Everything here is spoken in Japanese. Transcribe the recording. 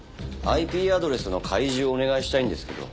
ＩＰアドレスの開示をお願いしたいんですけど。